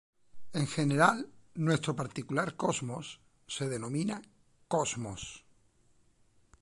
En general, nuestro particular cosmos se denomina "Cosmos".